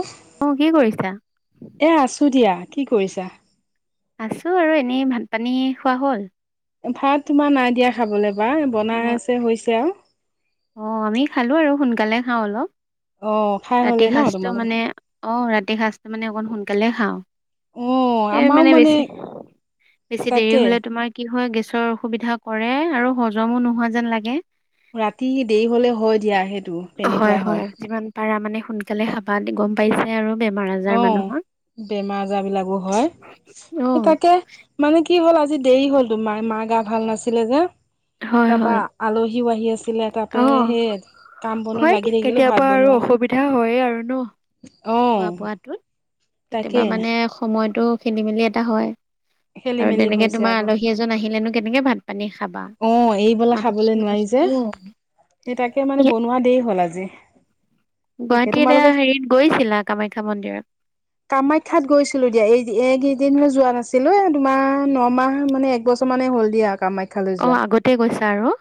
উফ অ' কি কৰিছা? এ আছো দিয়া, কি কৰিছা? আছোঁ আৰু এনেই, ভাত-পানী খোৱা হ'ল? ভাত তোমাৰ নাইদিয়া খাবলে পাই, বনাই ব- আছে, হৈছে আৰু। অ' আমি খালোঁ আৰু সোনকালে খাওঁ অ' খাই অলপ। হলে ৰাতি ন সাজটো তোমালোকৰ মানে, অ' ৰাতি সাজটা মানে, অকণ সোনকালে খাওঁ। অ' এই আমাৰো মানে বেছি, বেছি দেৰি তাকে হ'লে তোমাৰ কি হয়, গেছৰ অসুবিধা কৰে। আৰু হজমো নোহোৱা যেন লাগে। ৰাতি দেৰি হ'লে, হয় দিয়া সেইটো। হয়, হয়, যিমান পাৰা মানে, সোনকালে খাবা। গম পাইছাই আৰু বেমাৰ-আ অ'! বেমাৰ-আজাৰ বিলাকো হয়। অ সেই, তাকে মানে কি হ'ল আজি, দেৰি হ'ল তোমাৰ, মা গা ভাল নাছিলে যে! হয় তাৰপা, হয় আলহীও আহি আছিলে, অ তাতে সেই, কাম- বনত হয় দিয়া লাগি থাকিলোঁ, কেতিয়াবা ভাত বনো আৰু অসুবিধা হৈয়ে আৰু ন'! অ' খোৱা-বোৱাতোত। তাকে কেতিয়াবা মানে, সময়তো খেলি-মেলি এটা হয়। খেলি আৰু মেলি তেনেকে, হৈছে তোমাৰ আকৌ আলহী এজ জন আহিলেনো, কেনেকে ভাত-পানী খাবা! অ' [unintelligible] এই তাকে মানে, বনোৱা দেৰি হ'ল আজি। তাকে গুৱাহাটী এতিয়া, তোমালোকে সেৰিত গৈছিলা, কামাখ্যা মন্দিৰত? কামাখ্যাত গৈছিলোঁ, দিয়া। এই, এইকেইদিন যোৱা নাছিলোঁ। এ, তোমাৰ ন-মাহ মানে, বছৰমানে হ'ল দিয়া, কামা অ'! আগতে গৈছা আৰু।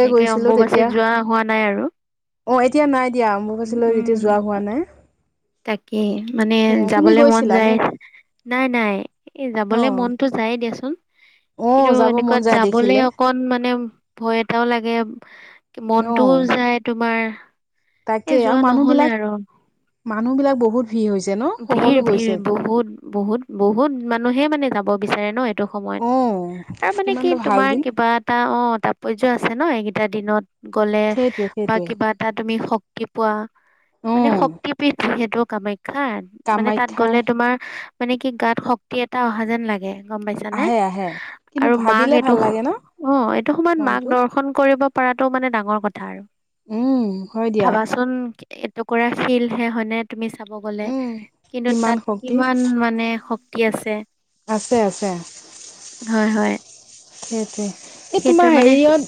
এনেকে গৈছিলো অম্বুবাচীত তেতিয়া যোৱা হোৱা নাই আৰু? অ'! এতিয়া নাই দিয়া, উম অম্বুবাচীলৈ উম যেতিয়া যোৱা হোৱা নাই। তাকে, মানে সেয়া তুমি যাবলে মন গৈছিলা যায়! নেকি নাই-নাই, এ, অ যাবলে মনতো যাই দিয়াচোন! অ কিন্তু, যাব মন এনেকুৱাত যায় যাবলে দেখিলে অকণ মানে, ভয় এটাও লাগে! অ মনটোও যায় তোমাৰ। এ, তাকে আৰু যোৱা মানুহ নহ'লে বিলাক আৰু। মানুহ বিলাক বহুত ভিৰ হৈছে ন'? সকলো গৈছে। বহুত-বহুত মানুহে মানে, যাব বিচাৰে ন'? এইটো সময়ত। অ আৰু মানে কি, কিমানটো ভাল তোমাৰ দিন কিবা এটা অ'! তাৎপৰ্য আছে, ন' এইকেইটা দিনত। গ'লে সেইটোৱে বা সেইটোৱে কিবা এটা তুমি, শক্তি পোৱা। অ মানে শক্তি যিহেতু কামাখ্যাত। মানে, তাত কামাখ্যাৰ গ'লে তোমাৰ মানে কি, গাত শক্তি এটা অহা যেন লাগে। গম পাইছানে? আহে আহে কিন্তু আৰু মাক ভাবিলে এইটো, ভাল লাগে ন অ'! এইটো সময়ত মাক মনটো দৰ্শন কৰিব পাৰাটো মানে, ডাঙৰ কথা আৰু! উম হয় দিয়া ভাবাচোন এটুকুৰা শিল হে হয়। তুমি চাব গ'লে। উম কিন্তু কিমান তাত, শক্তি কিমান মানে, শক্তি আছে। আছে-আছে। হয়, হয়। সেইটোৱে! এই সেইটো তোমাৰ মানে সেৰিয়ত,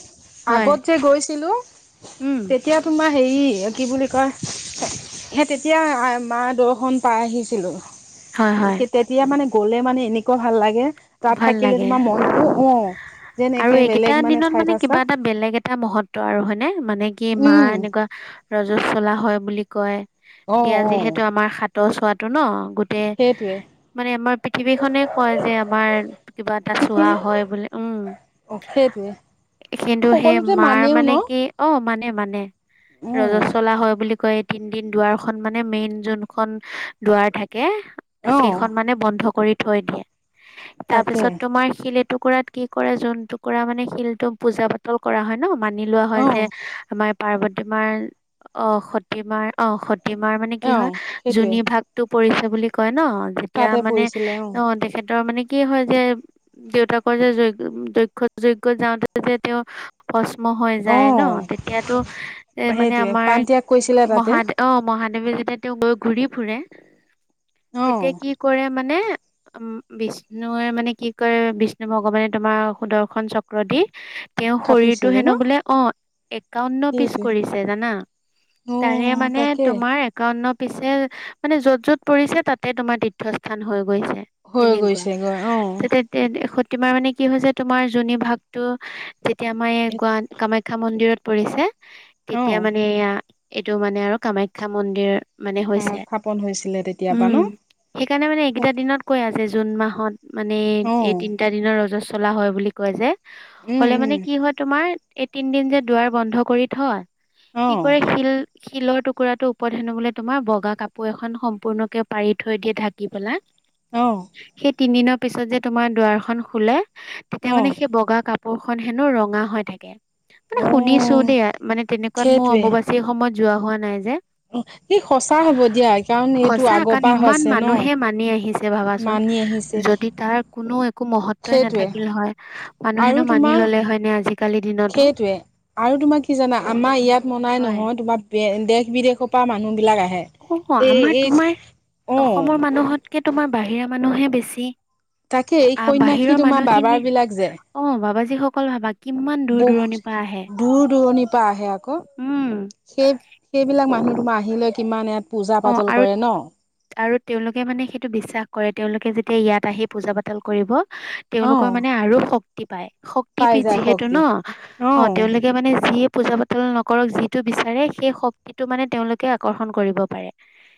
হয় আগত যে গৈছিলোঁ। উম তে তিয়া তোমাৰ সেৰি, কি বুলি কয়! সেই তেতিয়া আই, মা দৰ্শন পাই আহিছিলোঁ। হয় হয় তেতিয়া মানে, গ'লে মানে, এনেকুৱা ভাল লাগে! তাত ভাল থাকিলে, লাগে তোমাৰ মনতো অ'! যেন আৰু একে, এইকেইটা বেলেগ মানে, দিনত ঠাইত আছা! কিবা এটা বেলেগ এটা মহত্ব আৰু হয়নে? মানে, কি মা উম এনেকুৱা, ৰজঃশলা হয় বুলি কয়। অ দিয়া অ যিহেতু আমাৰ, হাতৰ ছোৱাটো ন' গোট টে সেইটোৱে মানে, আমাৰ পৃথিৱী খনে কয় যে, আমাৰ কিবা এটা ছোৱা পৃথিৱী হয় বোলে, উম। অ সেইটোৱে কিন্তু সেই সকলোতে মাৰ মানেও মানে ন কি সেই অ, মানে মানে ৰজ উম, চলা হয় বুলি কয় এই তিনদিন দুৱাৰখন মানে মেইন যোনখন দুৱাৰ থাকে। অহ, সেইখন মানে বন্ধ কৰি থৈ দিয়ে। তাকে তাৰপিছত তোমাৰ শিল এটুকুৰাত কি কৰে যোন টুকুৰা মানে শিলটো পূজা পাত তল কৰা হয় ন মানি লোৱা হয় অহ, যে আমাৰ পাৰ্বতী মাৰ অ সতী মাৰ অ সত তী মাৰ মানে কি অহ, হয় সেইটোৱে যোনি ভাগটো পৰিছে বুলি কয় ন, যেতিয়া তাতে মানে পৰিছিলে অহ। অ তেখেত তৰ মানে কি হয় যে দেউতাকৰ যে যজ্ঞ দক্ষ্য যজ্ঞত যাওঁতে যে তেওঁ ভস্ম হৈ যায় ন অহ, তেতিয়াটো এ মানে সেইটোৱে আমাৰ প্ৰাণত্যাগ কৰিছিলে তাতে মহাদ অ মহাদেৱে যেতিয়া তেঁওক লৈ ঘূৰি ফুৰে অহ, তেতিয়া কি কৰে মানে নে উম বিষ্ণুৱে মানে কি কৰে বিষ্ণু ভগৱানে তোমাৰ সুদৰ্শন চক্ৰ দি তেওঁৰ শৰীৰটো খাটিছিলে ন? হেনো বোলে অ একাৱন্ন পিচ সেইটোৱে কৰিছে জানা। তাৰে অহ, মানে তাকে তোমাৰ একাৱন্ন পিছে মানে য'ত, য'ত পৰিছে তাতে তোমাৰ তীৰ্থস্থান হৈ গৈছে। হৈ তেনেকুৱা গৈছে গৈ অহ। তেতিয়া তে সতীমাৰ মানে কি হৈছে তোমাৰ যোনি ভাগটো যেতিয়া আমাৰ এই গুৱাহাটীৰ কামাখ্যা কামাখ্যা মন্দিৰত পৰিছে অহ, তেতিয়া মানে এয়া এইটো মানে আৰু কামাখ্যা মন্দিৰ মানে হৈছে। স্থাপন হৈছিলে তেতিয়া পা উম, ন? সেইকাৰণে এইকেইটা দিনত কৈ আছে জুন মাহত মানে অহ, এই তিনটা দিনৰ ৰজত চলা হয় বুলি কয় যে উম, হ'লে মানে উম, কি হয় তোমাৰ এই তিনদিন যে দুৱাৰ বন্ধ কৰি থয় কি অহ, কৰে শিল শিলৰ টুকুৰাটো ওপৰত হেনো বোলে তোমাৰ বগা কাপোৰ এখন সম্পূৰ্ণকে পাৰি থৈ দিয়ে ঢাকি পেলাই। অ। সেই তিনিদিনৰ পিছত যে তোমাৰ দুৱাৰখন খোলে তেতিয়া অহ, মানে সেই বগা কাপোৰ কাপোৰখন হেনো ৰঙা হৈ থাকে মানে শুনিছো অহ, দেই মানে তেনেকুৱাত মই সেইটোৱে অম্ববাচি বাচি সেই সময়ত যোৱা হোৱা নাই যে। অহ, ই সঁচা হ'ব দিয়া কাৰণ এইটো সঁচা আগৰ কাৰণ পৰা ইমান হৈছে ন? মানুহে মানি আহিছে ভাবাচোন। মানি আহিছে যদি তাৰ কোনো একো মহত্বই সেইটোৱে নাথাকিল হয় আৰু মানুহেনো মানি তোমাৰ ল'লে হয় নে আজি। সেইটোৱে। আৰু তোমাৰ কি জানা আমাৰ ইয়াত মনাই হয় নহয় তোমাৰ দেশ-বিদেশৰ পৰা মানুহবিলাক আহে। অ এই আমাৰ এই তোমাৰ অ অসমৰ মানুহতকে তোমাৰ বাহিৰা মানুহে বেছি। তাকে এই আহ সৈন্যসী বাহিৰৰ তোমাৰ মানুহখিনি বাবাবিলাক যে অ, বাবাজীসকল ভাবা কিমান বহুত দূৰ-দূৰণিৰ পৰা আহে। দূৰ দূৰণিৰ পৰা আহে আকৌ উম। সেই সেইবিলাক মানুহ তোমাৰ আহি লৈ কিমান ইয়াত অ পূজা-পাতল আৰু কৰে ন। আৰু তেওঁলোকে মানে সেইটো বিশ্বাস কৰে তেওঁলোকে যেতিয়া ইয়াত আহি পূজা-পাতল কৰিব অ তেওঁলোকৰ মানে আৰু শক্তি পাই শক্তি পাই শক্তিপীঠ যায় যিহেতু শক্তি ন। অ, তেওঁলোকে মানে যিয়ে পূজা-পাতল পাতল নকৰক যিটো বিচাৰে সেই শক্তিটো মানে তেওঁলোকে আকৰ্ষণ কৰিব পাৰে।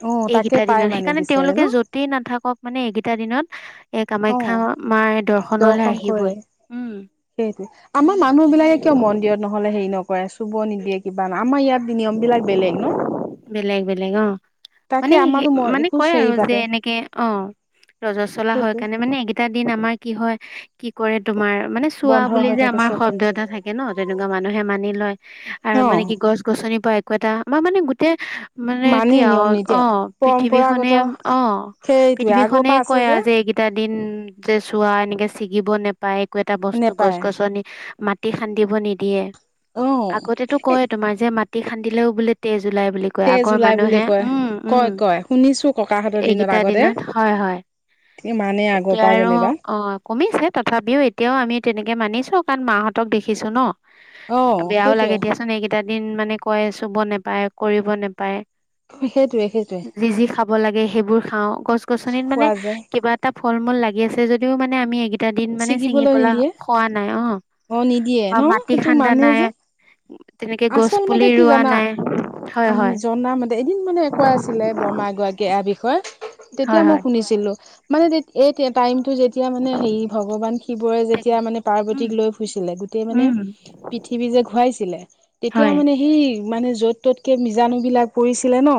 অ তাকে এইগিটা পাই দিনত মানে সেইকাৰণে বিচাৰে ন তেওঁলোকে য'ত তেই নাথাকক মানে এইকেইটা দিনত এ অ কামাখ্যা মাৰ দৰ্শনলে আহিবই। উম। সেইটোয়ে। আমাৰ মানুহ বিলাকে কিয় মন্দিৰত নহলে হেৰি নকৰে চুব নিদিয়ে কিবা আমাৰ ইয়াত নিয়ম বিলাক- বেলেগ ন? বেলেগ বেলেগ অঁ। মানে তাকে সে আমাৰো মই মানে একো কয় আৰু হেৰি যে পাতে এনেকে অঁ ৰজ চলা হয় সেইটোৱে কাৰণে মানে এগে- টা আমাৰ কি হয় কি কৰে তোমাৰ মানে চোৱা বন্ধ বুলি হৈ যে থাকে আমাৰ চব শব্দ এটা থাক- কে ন। তেনেকুৱা মানুহে মানি লয় আৰু অ মানে কি গছ গছনিৰ পৰা একো এটা আমাৰ মানে গোটেই- মানে কি আও নিয়ম নীতি অঁ, পৃথিৱী খনে পৰম্পৰাগত অঁ, সেইটোৱে আগৰ পৃথিৱীখনে পৰা আছে কয় যে এইগে- টা দিন যে চোৱা এনেকে ছিগিব নেপায় একো এটা বস্তু গছ নেপায় গছনি মাত- টি খান্দিব নিদিয়ে, অ আগতে টো এই কয় তোমাৰ যে মাটি খান্দিলেও বোলে তেজ ওলাই বুলি। কয় তেজ আগৰ ওলাই বুলি মানুহে। কয় উম' কয় উম', কয় শুনিছো ককাহঁতৰ এইগেইটা আগতে দিনত, হয় হয়। মানে আগৰ এতিয়া পৰা আৰু যেনিবা অঁ। কমিছে, তথাপিও এতিয়াও আমি তেনেকে মানিছো। কাৰণ মাহঁতক দেখিছো ন। অ বেয়াও লাগে সেইটোৱে দিয়াচোন, এইগেইটা দিন মানে কয়, চুব নেপায় কৰিব নেপায়। সেইটোৱে সেইটোৱে যি যি খাব লাগে সেইবোৰ খাওঁ। গছ গছনিত মানে খোৱা যায় কিবা- টা ফল মূল লাগি আছে যদিও মানে আমি এইগেইটা দিন মানে চিঙি ছিগিবলৈ পেলা নিদিয়ে খোৱা নাই, অঁ। অ নিদিয়ে বা ন মাতি খাণ্ডা নাই। তেনেকে গছ পুলি আচলমতে কি ৰোৱা জানা? নাই হয় আমি হয় জনা মতে, এদিন মানে কৈ আছিলে বৰমা এগৰাকীয়ে এয়াৰ বিষয়ে। তেতিয়া হয় মই হয় শুনিছিলো। মানে তেত এই টাইমটো যে- তিয়া মানে হেৰি, ভগৱান শিৱৰে তাকে যেতিয়া মানে উম পাৰ্বতীক লৈ ফুৰিছিলে, গোটেই মানে- উম পৃথিৱী যে ঘূৰাইছিলে- তেতিয়া হয় মানে সেই মানে য'ত ত'তকে বীজাণুবিলাক- পৰিছিলে ন।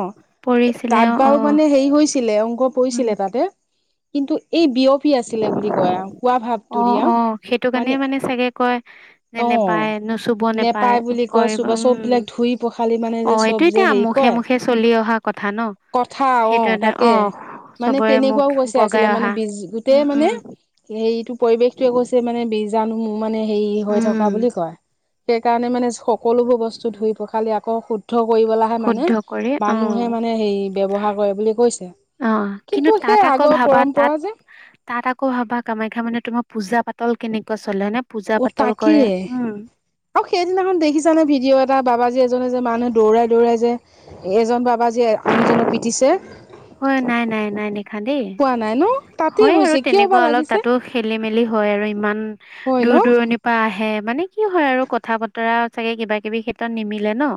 পৰিছিলে তাত অ বাৰু মানে হেৰি হৈছিলে অংগ উম পৰিছিলে তাতে, - কিন্তু এই বিওফ- অঁ অঁ, সেইটো কাৰণে মানে চাগে কয়। নে নাপায় নো চুব নোপায়। কয়ছো বা চব বিলাক ধুই পখালি মানে যে চব এইটো যে এতিয়া হেৰি মুখে কয়, মুখে চলি অহা কথা ন - কথা অঁ সেইটো এটা অ তাকে, মানে চবৰে মুখ তেনেকুৱাও কৈছে বগাই আছিলে মানে অহা ডি- গোটেই উম মানে উম হেৰিটো পৰিৱেশটোৱে গৈছে মানে বীজাণু- মো মানে হেৰি হৈ থকা উম বুলি কয়। সেইকাৰণে মানে চব- কলোবোৰ বস্তু ধুই পখালি আকৌ শুদ্ধ কৰিবলা- আ শুদ্ধ মানে, কৰি অ মানুহে মানে হেৰি ব্যৱহাৰ কৰে বুলি কৈছে। অঁ, কিন্তু সেই তাত আকৌ আগৰ ভাবা পৰম্পৰা তাত- যে তাত আকৌ ভাবা কামাখ্যা মানে তোমাৰ পূজা পাতল কেনেকুৱা চলে নে পূজা অ পাতল কৰে, তাকেই উম'। আৰু সেইদিনাখন দেখিছা নে ভিডিঅ' এটা? বাবাজি এজনে যে মানুহ দৌৰাই দৌৰাই যে- এজন বাবা যে আনজনক পিটিছে, - হয় নাই নাই নাই দেখা দেই। পোৱা নাই ন তাতেই হয় আৰু হৈছে কিয় বা তেনেকুৱা অলপ লাগিছে তাতো খেলি মেলি হয় আৰু, ইমান হয় ন দূৰ দূৰণি- বা আহে। মানে কি হয় আৰু কথা বতৰা চাগে কিবা কিবি ক্ষেত্ৰত নিমিলে ন।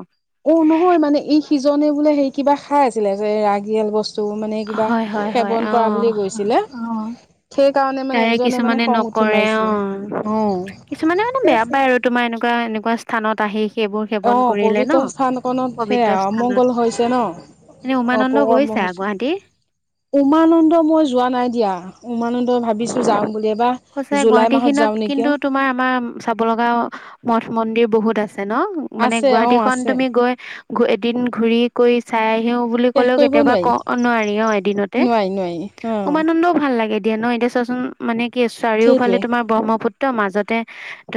অও' নহয় মানে, এই সিজনে বোলে হেৰি কিবা খাই আছিলে যে ৰাগিয়াল বস- তো মানে কিবা হয় হয় হয় সেৱন কৰা বুলি আহ গৈছিলে। সেইকাৰণে মানে তাৰে ইজনে মানে কিছুমানে খং উঠি নকৰে অ মাৰিছিলে। অঁ কিছুমানে মানে ঠিকে বেয়া আছে। পায় আৰু তোমাৰ এনেকুৱা এনেকুৱা স্থানত আহি- সেইবোৰ অ সেৱন কৰিলে ন, পবিত্ৰ স্থানকনত সেয়া পবিত্ৰ স্থানত। অমংগল হৈছে ন তুমি উমানন্দ অপকৰ্ম গৈছা হৈছে গুৱাহাটীৰ? উমানন্দ মই যোৱা নাই দিয়া, উমানন্দ ভাবিছো যাওঁ বুলি। এবাৰ সচা জুলাই গুৱাহাটী মাহত খিনত যাওঁ নেকি কিন্তু তোমাৰ আমাৰ। চাব লগা মঠ মন্দিৰ বহুত আছে ন। মানে আছে অ গুৱাহাটী খন আছে তুমি গৈ ঘূ এদিন ঘূৰি কৰি চাই আহিও বুলি শেষ ক'লেও কৰিব কেতিয়াবা ক নোৱাৰি নোৱাৰি অ এদিনতে। নোৱাৰি নোৱাৰি অ উমানন্দও ভাল লাগে দিয়া ন এতিয়া চোৱাচোন মানে কি সেইটোৱে চাৰিওফালে তোমাৰ ব্ৰহ্মপুত্ৰ মাজতে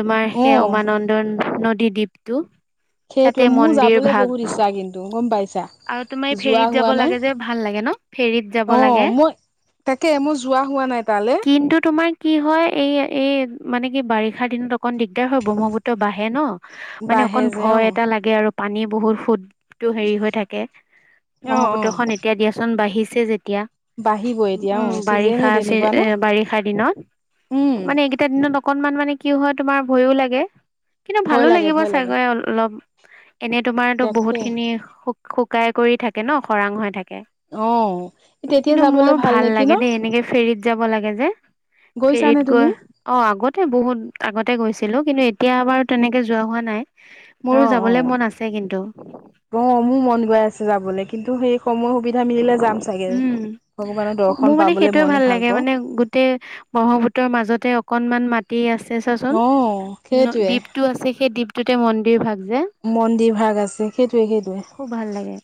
তোমাৰ সেই অ উমানন্দন নদী দ্বীপটো। তাতে সেইটোৱেই, মোৰ মন্দিৰ যাবলে ভাগ বহুত ইচ্ছা কিন্তু গম পাইছা। আৰু তুমি যোৱা ফেৰীত যাব হোৱা নাই লাগে যে, ভাল লাগে ন, ফেৰীত যাব লাগে। তাকেই মোৰ যোৱা হোৱা নাই তালে। কিন্তু তোমাৰ কি হয় এই এই মানে কি বাৰিষা দিনতট অকণ দিগদাৰ হয়, ব্ৰহ্মপুত্ৰ বাঢ়ে ন মানে বাঢ়ে অকণ যে ভয় অ এটা লাগে আৰু পানী বহুত সোত। টো হেৰি হৈ থাকে। অ অ ব্ৰহ্মপুত্ৰখন এতিয়া দিয়াচোন বাঢ়িছে যেতিয়া। বাঢ়িব এতিয়া অ উম চিজনে বাৰিষা আছে তেনেকুৱা ন এ বাৰিষা বাৰিষাৰ দিনত, উম মানে এইকেইটা দিনত অকনমান মানে কি হয় তোমাৰ ভয়ো লাগে কিন্তু ভালো ভয় লাগে লাগিব ভয় লাগে চাগৈ অলপ এনে তোমাৰটো বহুত তাকে খিনি শুকাই কৰি থাকে ন খৰাং হৈ থাকে অ তেতিয়া কিন্তু যাবলৈ মোৰো ভাল নেকি ন লাগে দেই এনেকে ফেৰীত যাব লাগে যে গৈছানে ফেৰীত গৈ তুমি অ আগতে বহুত আগতে গৈছিলো কিন্তু এতিয়া বাৰু তেনেকে যোৱা হোৱা নাই অ মোৰ অ যাবলৈ মন আছে কিন্তু অ মোৰ মন গাই আছে যাবলৈ কিন্তু সেই সময় সুবিধা মিলেলে যাম চাগে উম ভগৱানৰ দৰ্শন মোৰ মানে পাবলৈ সেইটোয়ে মনে ভাল লাগে পাওঁ মানে গোটেই ব্ৰহ্মপুত্ৰৰ মাজতে অকনমান মাটি আছে অ চাচোন ন সেইটোৱে দ্বীপটো আছে সেই দ্বীপটোতে মন্দিৰ ভাগ যে সেইটোয়ে সেইটোয়ে খুব ভাল লাগে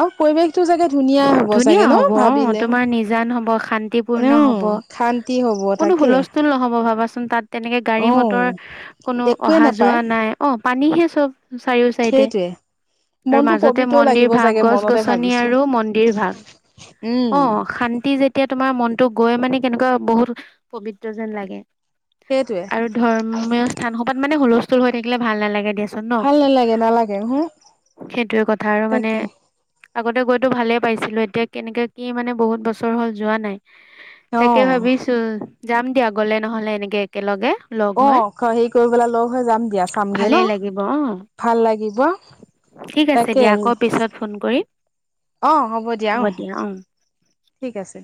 আৰু পৰিৱেশটো চাগে ধুনীয়াই হব ধুনীয়া চাগে ন হ'ব অ ভাবিলে তোমাৰ নিজান হব শান্তিপূৰ্ণ উম হব শান্তি হ'ব কোনো তাকে হুলস্থ হুলস্থুল নহ'ব ভাবাচোন তাত তেনেকে গাড়ী অ মটৰ কোনো একোৱে অহা নাপায় যোৱা নাই অ পানীহে চব চাৰিও চাইডে সেইটোৱে আৰু মনটো মাজতে পবিত্ৰও মন্দিৰ লাগিব ভাগ চাগে গছ মনতে গছনি ভাবিছো আৰু ম এইভাগ উম অ শান্তি যেতিয়া তোমাৰ মনটো গৈ মানে কেনেকুৱা বহুত প্ৰবিত্ৰ যেন লাগে সেইটোৱে ধৰ্মীয় স্থানসোপাত মানে হুলস্থুল হৈ থাকিলে ভাল নালাগে দিয়াচোন ন ভাল নালাগে নালাগে হো সেইটোৱে কথা আৰু মানে তাকে আগতে গৈতো ভালেই পাইছিলোঁ এতিয়া কেনেকে কি মানে বহুত বছৰ হ'ল যোৱা নাই অ তাকে ভাবিছো যাম দিয়া গলে নহলে এনেকে একেলগে লগ অ হৈ হেৰি কৰি পেলাই লগ হৈ যাম দিয়া চামগে ন ভালেই লাগিব অ ভাল লাগিব ঠিক আছে তাকে দিয়া আকৌ পিছত ফোন কৰিম অ হ'ব দিয়া অ ঠিক আছে দিয়া